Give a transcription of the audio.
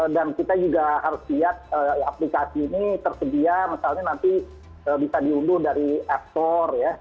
dan kita juga harus lihat aplikasi ini tersedia misalnya nanti bisa diunduh dari aptor ya